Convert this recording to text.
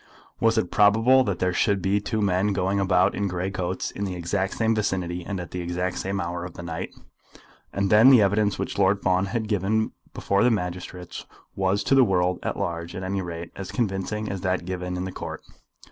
Was it probable that there should be two men going about in grey coats, in exactly the same vicinity, and at exactly the same hour of the night? And then the evidence which Lord Fawn had given before the magistrates was to the world at large at any rate as convincing as that given in the Court.